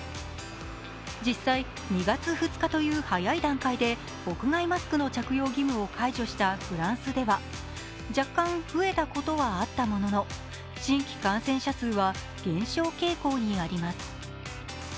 実際２月２日という早い段階で屋外マスクの着用義務を解除したフランスでは、若干増えたことはあったものの、新規感染者数は減少傾向にあります。